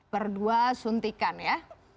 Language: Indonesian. per dua suntikan ya